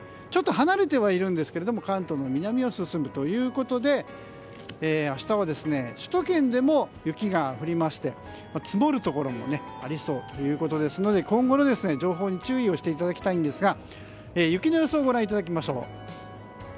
ちょっと離れてはいるんですが関東の南を進むということで明日は首都圏でも雪が降りまして積もるところもありそうということですので今後の情報に注意をしていただきたいんですが雪の予想をご覧いただきます。